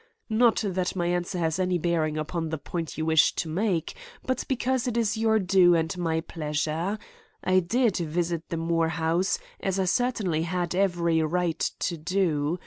Not that my answer has any bearing upon the point you wish to make, but because it is your due and my pleasure. I did visit the Moore house, as I certainly had every right to do.